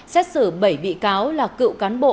xét xử bảy bị cáo là cựu cán bộ